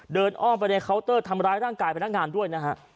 อ้อมไปในเคาน์เตอร์ทำร้ายร่างกายพนักงานด้วยนะฮะ